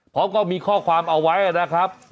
พร้อมกับมีข้อความเอาไว้อะนะครับ